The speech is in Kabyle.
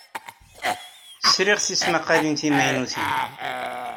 Sriɣ tismaqqalin timaynutin.